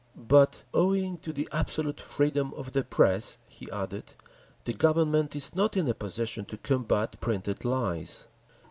"But owing to the absolute freedom of the press," he added, "the Government is not in a position to combat printed lies.